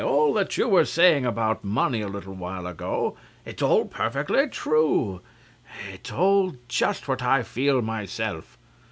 All that you were saying about money a little while ago it's all perfectly true, it's all just what I feel myself.